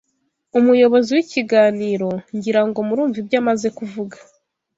Umuyobozi w’ikiganiro Ngira ngo murumva ibyo amaze kuvuga